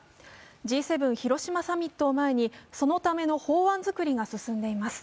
Ｇ７広島サミットを前にそのための法案づくりが進んでいます。